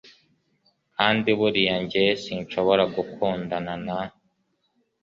Kandi buriya jye sinshobora gukundana na